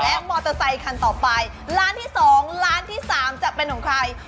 และมอเตอร์ไซคันต่อไปร้านที่สองร้านที่สามจะเป็นของใคร